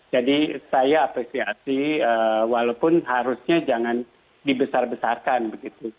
jadi saya apresiasi walaupun harusnya jangan dibesar besarkan begitu